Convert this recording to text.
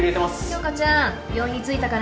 鏡花ちゃん病院に着いたからね。